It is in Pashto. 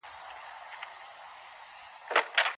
ملګرتیا یوازې د مادي ګټو لپاره مه کوه.